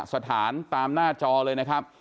สถานตามหน้าจอเล่น